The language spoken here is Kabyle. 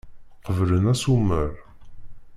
Qeblen asumer.